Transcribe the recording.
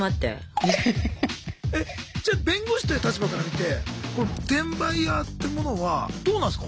じゃ弁護士という立場から見てこれ転売ヤーってものはどうなんすか